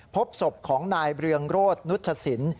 พบศพของนายเรืองโรธนุชสิน